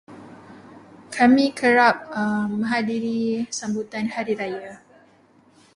Kami kerap menghadiri sambutan hari raya.